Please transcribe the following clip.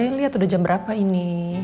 saya lihat udah jam berapa ini